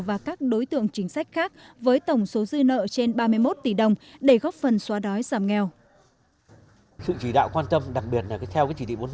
và các đối tượng chính sách khác với tổng số dư nợ trên ba mươi một tỷ đồng để góp phần xóa đói giảm nghèo